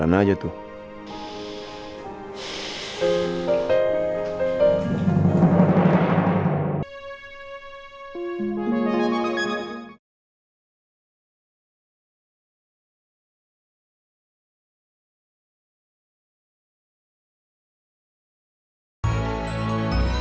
waktu yang makan bahan